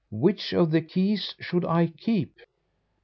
Which of the keys should I keep?"